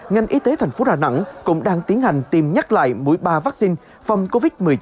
ngành y tế thành phố đà nẵng cũng đang tiến hành tìm nhắc lại mũi ba vaccine phòng covid một mươi chín